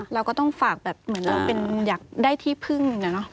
เราก็ต้องฝากแบบเหมือนเราเป็นอยากได้ที่พึ่ง